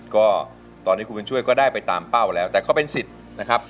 ก็ตอนนี้คุณบุญช่วยก็ได้ไปตามเป้าแล้วแต่ก็เป็นสิทธิ์นะครับ